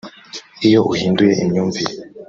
Iyo uhinduye imyumvire